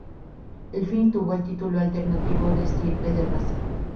El film tuvo el título alternativo de "Estirpe de raza".